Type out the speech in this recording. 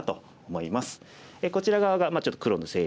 こちら側がちょっと黒の勢力。